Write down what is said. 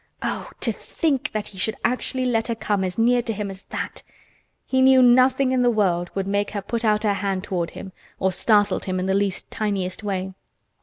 Oh! to think that he should actually let her come as near to him as that! He knew nothing in the world would make her put out her hand toward him or startle him in the least tiniest way.